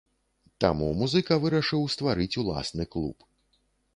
Таму музыка вырашыў стварыць уласны клуб.